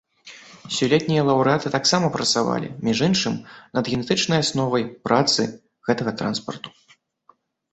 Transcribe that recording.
Сёлетнія лаўрэаты таксама працавалі, між іншым, над генетычнай асновай працы гэтага транспарту.